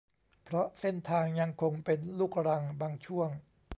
เพราะเส้นทางยังคงเป็นลูกรังบางช่วง